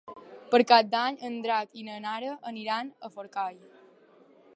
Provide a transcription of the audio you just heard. Per Cap d'Any en Drac i na Nara aniran a Forcall.